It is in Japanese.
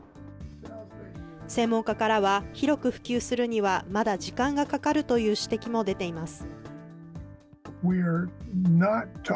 専門家からは、広く普及するにはまだ時間がかかるという指摘も出ています。